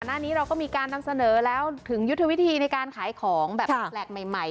หน้านี้เราก็มีการนำเสนอแล้วถึงยุทธวิธีในการขายของแบบแปลกใหม่